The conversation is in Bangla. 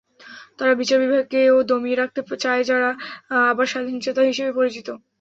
তারা বিচার বিভাগকেও দমিয়ে রাখতে চায়, যারা আবার স্বাধীনচেতা হিসেবে পরিচিত।